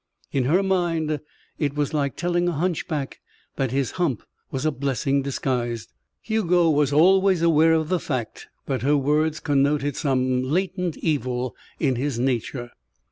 In her mind, it was like telling a hunchback that his hump was a blessing disguised. Hugo was always aware of the fact that her words connoted some latent evil in his nature.